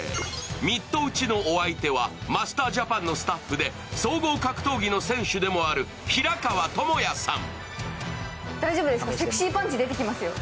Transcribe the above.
ミット打ちのお相手はマスタージャパンのスタッフで、総合格闘技の選手でもある平川智也さん。